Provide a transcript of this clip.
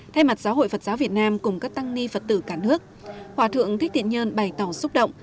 thay mặt giáo hội phật giáo việt nam cùng các tăng ni phật tử cả nước hòa thượng thích thiện nhân bày tỏ xúc động